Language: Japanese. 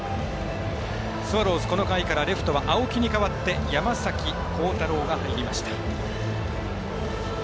スワローズ、この回から青木に代わって山崎晃大朗が入りました。